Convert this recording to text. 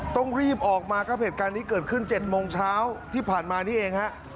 ต้องรีบออกมาครับเหตุการณ์นี้เกิดขึ้น๗โมงเช้าที่ผ่านมานี้เองฮะ